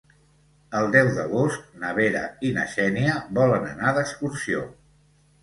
El deu d'agost na Vera i na Xènia volen anar d'excursió.